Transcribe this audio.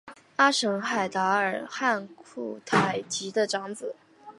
阿什海达尔汉珲台吉的长子。